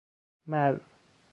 مرّ